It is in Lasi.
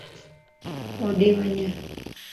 ھوڏي وڃ